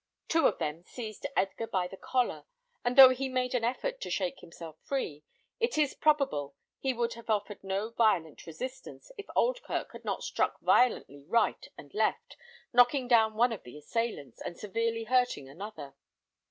Two of them seized Edgar by the collar; and though he made an effort to shake himself free, it is probable he would have offered no violent resistance if Oldkirk had not struck violently right and left, knocking down one of the assailants, and severely hurting another.